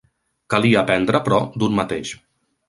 Calia aprendre, però, d'un mateix.